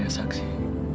jadi saksi apa